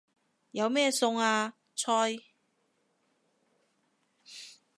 有咩餸啊？菜